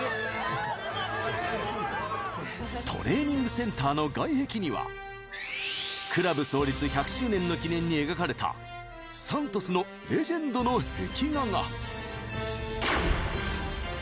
トレーニングセンターの外壁にはクラブ創立１００周年の記念に描かれたサントスのレジェンドの壁画が。